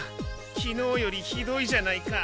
昨日よりひどいじゃないか。